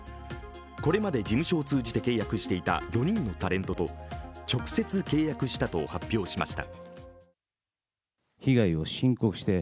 これまで事務所を通じて契約していた４人のタレントと、直接契約したと発表しました。